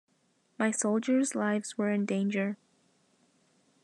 My soldiers' lives were in danger.